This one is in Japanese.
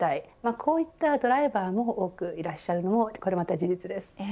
こういったドライバーも多くいらっしゃるのも事実です。